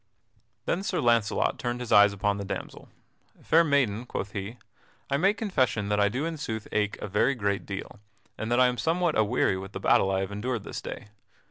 Then Sir Launcelot turned his eyes upon the damsel: "Fair maiden," quoth he, "I make confession that I do in sooth ache a very great deal, and that I am somewhat aweary with the battle I have endured this day.